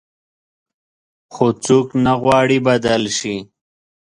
خو څوک نه غواړي بدل شي.